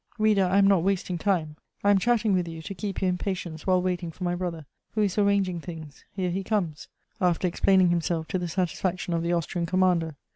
Reader, I am not wasting time; I am chatting with you to keep you in patience while waiting for my brother, who is arranging things: here he comes, after explaining himself to the satisfaction of the Austrian commander.